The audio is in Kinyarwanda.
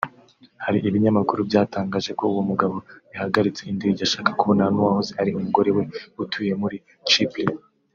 Hari ibinyamakuru byatangaje ko uwo mugabo yahagaritse indege ashaka kubonana n’uwahoze ari umugore we utuye muri Chypre